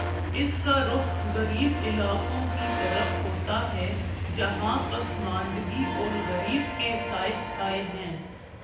اس کا رخ غریب علاقوں کی طرف ہوتا ہے، جہاں پسماندگی اور غربت کے سائے چھائے ہیں۔